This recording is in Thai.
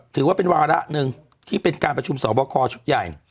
ถือว่าเป็นวาระหนึ่งที่เป็นการประชุมสอบคอชุดใหญ่